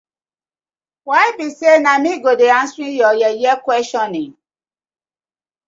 Why bi say na mi go answering yah yeye questioning.